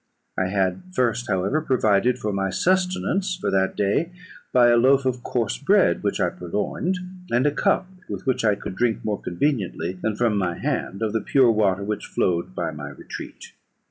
I had first, however, provided for my sustenance for that day, by a loaf of coarse bread, which I purloined, and a cup with which I could drink, more conveniently than from my hand, of the pure water which flowed by my retreat.